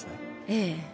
ええ。